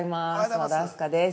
和田明日香です。